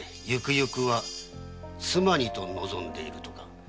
ゆくゆくは「妻に」と望んでいるとか。